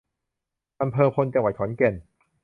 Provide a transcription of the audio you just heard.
อำเภอพล จังหวัดขอนแก่น